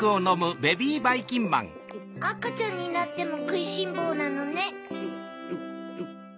あかちゃんになってもくいしんぼうなのね。